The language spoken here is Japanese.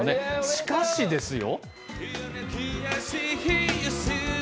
しかしですよ？